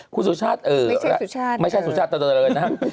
คุณสุชาติเออไม่ใช่สุชาติเออสุชาติลายน้ำเงินนะครับ